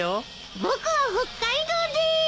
僕は北海道でーす！